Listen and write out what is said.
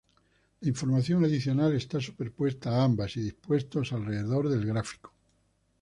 La información adicional está superpuesta a ambas y dispuestos alrededor del gráfico.